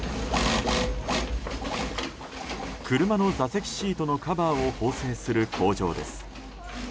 車の座席シートのカバーを縫製する工場です。